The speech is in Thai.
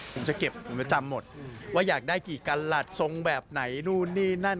ผมจะเก็บผมจะจำหมดว่าอยากได้กี่กันหลัดทรงแบบไหนนู่นนี่นั่น